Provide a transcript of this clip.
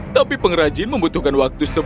tapi pengrajin membutuhkan waktu sebutan